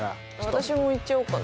私も行っちゃおうかな。